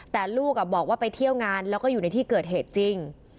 แต่ลูกบอกว่าไปเที่ยวงานแล้วก็อยู่ในที่เกิดเหตุจริง